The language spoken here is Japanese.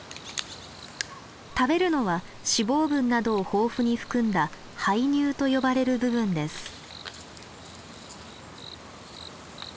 食べるのは脂肪分などを豊富に含んだ胚乳と呼ばれる部分です。